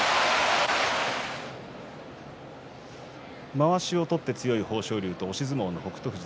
まわしを取って強い豊昇龍と押し相撲の北勝富士。